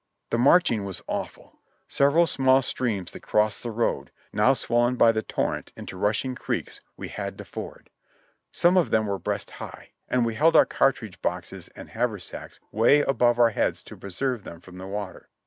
The marching was awful; several small streams that crossed the road, now swollen bv the torrent into 132 JOHNNY REB AND ClIvI^Y YANK rusliing creeks, we had to ford; some of them were breast high, and we held our cartridge boxes and haversacks way above our heads to preserve them from the water.